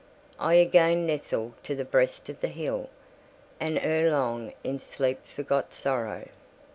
I again nestled to the breast of the hill; and ere long in sleep forgot sorrow.